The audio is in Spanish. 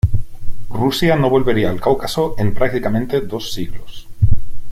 Rusia no volvería al Cáucaso en prácticamente dos siglos.